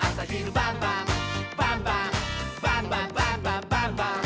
「バンバンバンバンバンバン！」